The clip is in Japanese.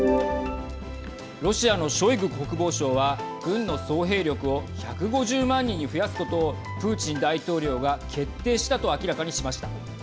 ロシアのショイグ国防相は軍の総兵力を１５０万人に増やすことをプーチン大統領が決定したと明らかにしました。